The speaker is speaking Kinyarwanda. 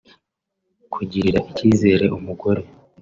Kugirira ikizere umugore